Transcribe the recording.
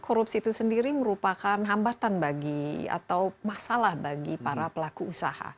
korupsi itu sendiri merupakan hambatan bagi atau masalah bagi para pelaku usaha